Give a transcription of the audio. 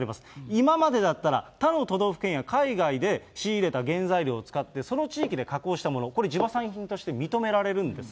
今までだったら、他の都道府県や海外で仕入れた原材料を使って、その地域で加工したもの、これ、地場産品として認められるんですが。